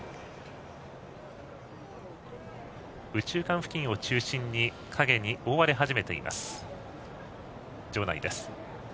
右中間付近を中心に影に覆われ始めている場内です。